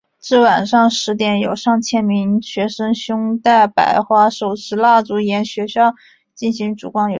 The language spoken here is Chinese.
至晚上十点有上千名学生胸带白花手持蜡烛沿校园进行烛光游行。